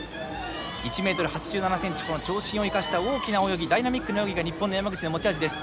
１ｍ８７ｃｍこの長身を生かした大きな泳ぎダイナミックな泳ぎが日本の山口の持ち味です。